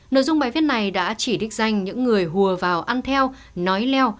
nội dung bài viết này đã chỉ đích danh những người hùa vào ăn theo nói leo